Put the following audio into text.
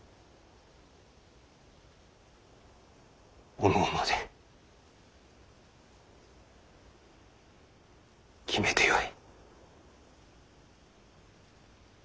おのおので決めてよい。